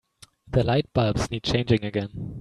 The lightbulbs need changing again.